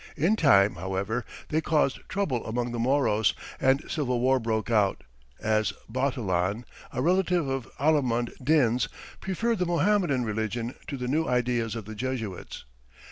In time, however, they caused trouble among the Moros, and civil war broke out, as Bautilan, a relative of Alimund Din's, preferred the Mohammedan religion to the new ideas of the Jesuits.